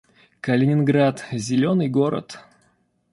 Калининград — зелёный город